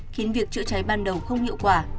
khiến việc chữa cháy ban đầu không hiệu quả